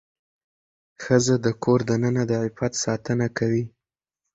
ښځه د کور دننه د عفت ساتنه کوي.